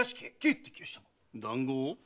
談合を？